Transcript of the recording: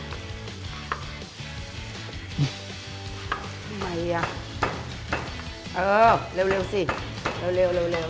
ทำไมอ่ะเออเร็วสิเร็ว